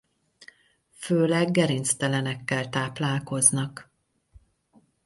Főleg gerinctelenekkel táplálkoznak.